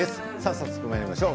早速まいりましょう。